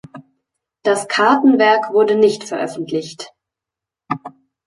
Das Kartenwerk wurde nicht veröffentlicht.